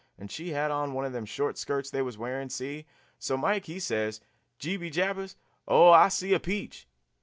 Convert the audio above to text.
And she had on one of them short skirts they was wearing, see? So Mike he says 'Gee be jabbers, Ole, I see a peach.'